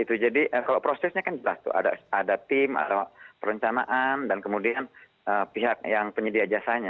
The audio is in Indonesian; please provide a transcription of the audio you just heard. kalau prosesnya kan jelas tuh ada tim ada perencanaan dan kemudian pihak yang penyedia jasanya